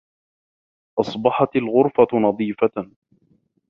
أَصْبَحَتِ الْغُرْفَةُ نَظِيفَةً.